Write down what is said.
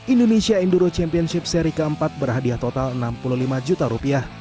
indonesia enduro championship seri keempat berhadiah total enam puluh lima juta rupiah